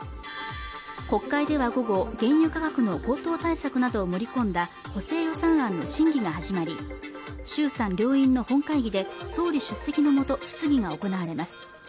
国会では午後原油価格の高騰対策などを盛り込んだ補正予算案の審議が始まり衆参両院の本会議で総理出席のもと質疑が行われます